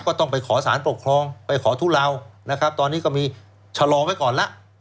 ก็ต้องไปขอสารปกครองไปขอทุเลานะครับตอนนี้ก็มีชะลอไว้ก่อนแล้ว